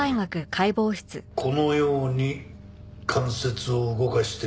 このように関節を動かしてみなさい。